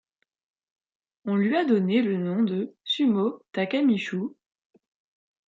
On lui a donné le nom de sumo Takamishu.